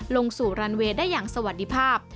ลงสู่รันเวย์ได้อย่างสวัสดีภาพ